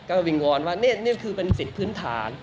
ก็วิงวอนว่านี่คือเป็นสิทธิ์พื้นฐาน